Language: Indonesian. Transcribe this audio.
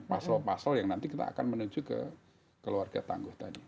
pasal pasal yang nanti kita akan menuju ke keluarga tangguh tadi